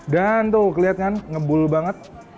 dan lihat sangat terasa